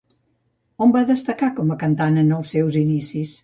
On va destacar com a cantant en els seus inicis?